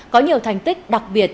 có nhiều thành tích đặc biệt